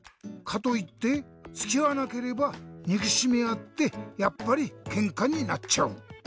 かといってつきあわなければにくしみあってやっぱりケンカになっちゃう。